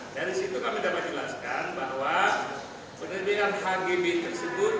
dari situ kami dapat jelaskan bahwa penerbian hgb tersebut